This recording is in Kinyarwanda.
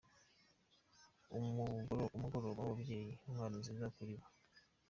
Umugoroba w’ababyeyi, intwaro nziza kuri bo.